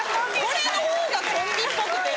これの方がコンビっぽくて。